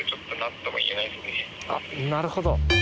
なるほど。